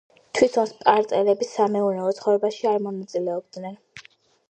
თვითონ სპარტელები სამეურნეო ცხოვრებაში არ მონაწილეობდნენ.